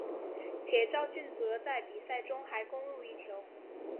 且肇俊哲在比赛中还攻入一球。